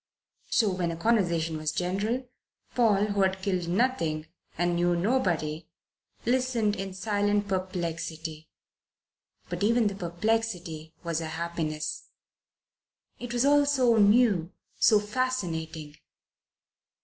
So when conversation was general, Paul, who had killed nothing and knew nobody, listened in silent perplexity. But even the perplexity was a happiness. It was all so new, so fascinating.